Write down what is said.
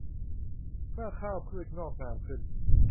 เมื่อข้าวพืชงอกงามขึ้น